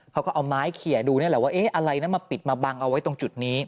เขาก็เอาไม้เขียดูนี่แหละว่าเอ๊ะอะไรนะมาปิดมาบังเอาไว้ตรงจุดนี้